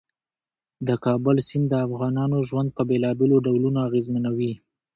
د کابل سیند د افغانانو ژوند په بېلابېلو ډولونو اغېزمنوي.